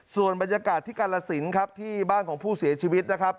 ส่วนบรรยากาศที่กาลสินครับที่บ้านของผู้เสียชีวิตนะครับ